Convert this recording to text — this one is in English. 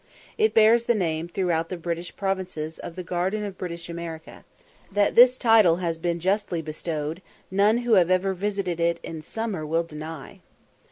It bears the name throughout the British provinces of the "Garden of British America." That this title has been justly bestowed, none who have ever visited it in summer will deny.